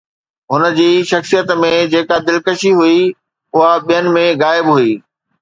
هن جي شخصيت ۾ جيڪا دلڪشي هئي، اها ٻين ۾ غائب هئي.